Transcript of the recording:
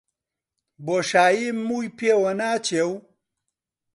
بۆشاییم مووی پێوە ناچێ و